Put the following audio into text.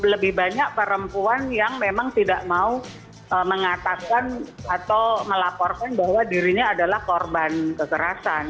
lebih banyak perempuan yang memang tidak mau mengatakan atau melaporkan bahwa dirinya adalah korban kekerasan